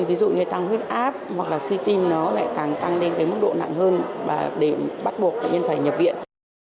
ví dụ như tăng huyết áp hoặc suy tim nó lại càng tăng đến mức độ nặng hơn để bắt buộc bệnh nhân phải nhập viện